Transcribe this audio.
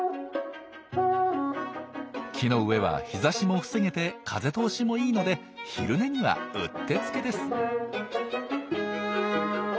木の上は日ざしも防げて風通しもいいので昼寝にはうってつけです。